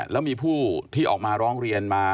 แล้วมีผู้ที่ออกมาร้องเรียนมา